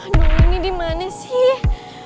aduh ini dimana sih